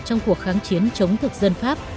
trong cuộc kháng chiến chống thực dân pháp